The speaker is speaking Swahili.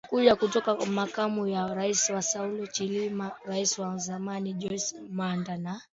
mkubwa kutoka kwa makamu wa rais Saulos Chilima rais wa zamani Joyce Banda na